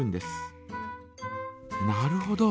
なるほど。